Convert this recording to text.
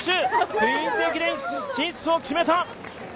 「クイーンズ駅伝」進出を決めた。